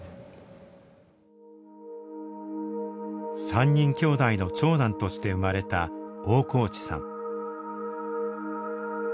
３人きょうだいの長男として生まれた大河内さん。